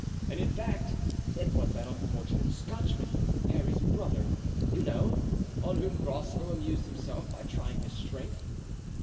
And, in fact, it was that unfortunate Scotchman, Parry's brother, you know, on whom Groslow amused himself by trying his strength.